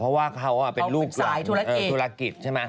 เพราะว่เขาเป็นลูกหลังธุรกิจ